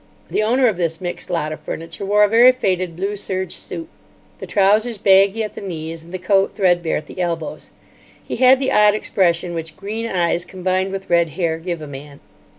The owner of this mixed lot of furniture wore a very faded blue serge suit, the trousers baggy at the knees and the coat threadbare at the elbows. He had the odd expression which green eyes combined with red hair give a man.